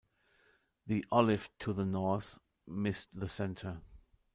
The" Olive" to the north missed the centre.